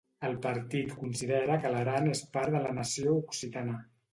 El partit considera que l'Aran és part de la nació occitana.